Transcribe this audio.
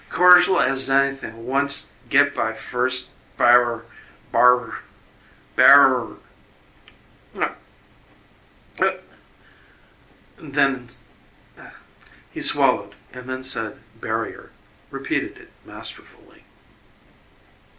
Cordial as an'thin' once get by first barrer bar barrer " He swallowed, and then said "barrier," repeated it masterfully.